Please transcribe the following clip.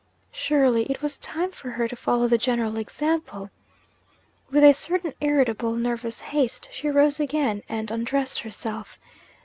Surely it was time for her to follow the general example? With a certain irritable nervous haste, she rose again and undressed herself.